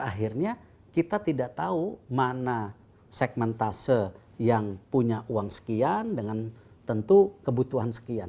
akhirnya kita tidak tahu mana segmentase yang punya uang sekian dengan tentu kebutuhan sekian